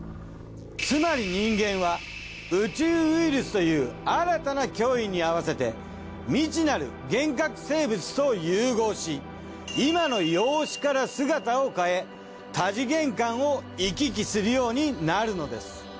つまり人間は宇宙ウイルスという新たな脅威に合わせて未知なる原核生物と融合し今の容姿から姿を変え多次元間を行き来するようになるのです。